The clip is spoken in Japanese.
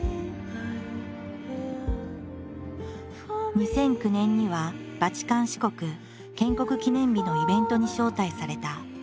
２００９年にはバチカン市国建国記念日のイベントに招待された。